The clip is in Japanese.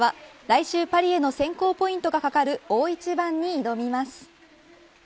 来週、パリへの選考ポイントが懸かる大一番に挑みます。